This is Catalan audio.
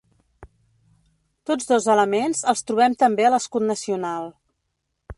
Tots dos elements els trobem també a l'escut nacional.